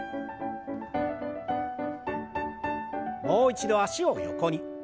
もう一度脚を横に。